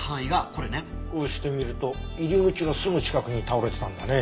こうして見ると入り口のすぐ近くに倒れてたんだね。